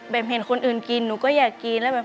แบบเห็นคนอื่นกินหนูก็อยากกิน